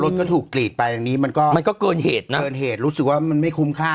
รถก็ถูกกลีดไปมันก็เกินเหตุรู้สึกว่ามันไม่คุ้มค่า